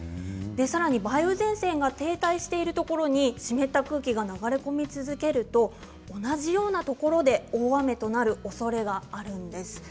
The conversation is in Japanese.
さらに梅雨前線が停滞しているところに湿った空気が流れ込み続けると同じようなところで、大雨となるおそれがあるんです。